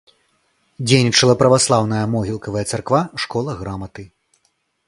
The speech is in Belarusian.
Дзейнічала праваслаўная могілкавая царква, школа граматы.